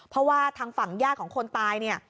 เพราะว่าทางฝั่งญาติของคนตายเนี่ย